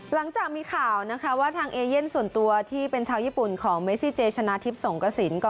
หลังจากมีข่าวนะคะว่าทางเอเย่นส่วนตัวที่เป็นชาวญี่ปุ่นของเมซิเจชนะทิพย์สงกระสิน